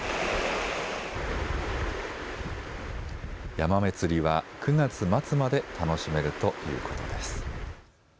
ヤマメ釣りは９月末まで楽しめるということです。